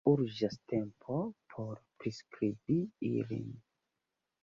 Urĝas tempo por priskribi ilin.